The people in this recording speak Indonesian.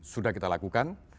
sudah kita lakukan